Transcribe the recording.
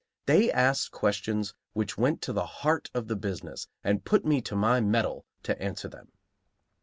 They asked questions which went to the heart of the business and put me to my mettle to answer them.